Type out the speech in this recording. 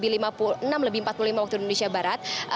enam lebih empat puluh lima waktu indonesia barat